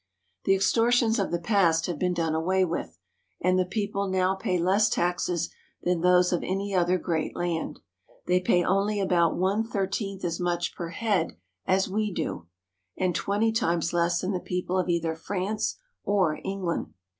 The extortions of the past have been done away with, and the people now pay less taxes than those of any other great land. They pay only about one thirteenth as much per head as we do, and twenty times less than the people of either France or England.